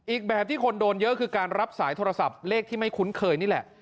อีกแบบที่คนโดนเยอะคือการรับสายโทรศัพท์เลขที่ไม่คุ้นเคยนี่แหละ